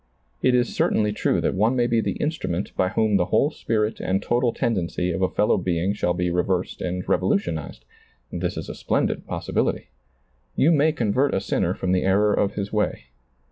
It is certainly true that one may be the instrument by whom the whole spirit and total tendency of a fellow being shall be reversed and revolutionized ; this is a splendid possibility. You may convert a sinner from the error of his way.